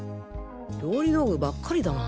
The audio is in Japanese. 料理道具ばっかりだな。